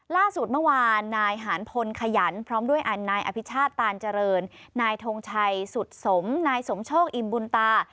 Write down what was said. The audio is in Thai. ล่าสุดเมื่อวานนายหานพลขยันพร้อมด้วยอันนายอภิชาติตานเจริญนายทงชัยสุดสมนายสมโชคอิ่มบุญตา